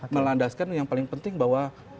melandaskan yang paling penting bahwa